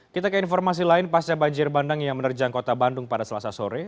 kita ke informasi lain pasca banjir bandang yang menerjang kota bandung pada selasa sore